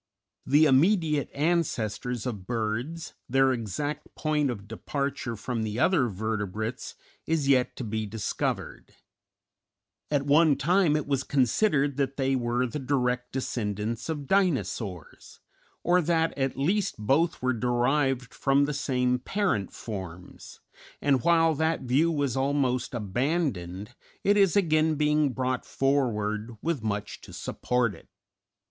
The immediate ancestors of birds, their exact point of departure from other vertebrates, is yet to be discovered; at one time it was considered that they were the direct descendants of Dinosaurs, or that at least both were derived from the same parent forms, and while that view was almost abandoned, it is again being brought forward with much to support it.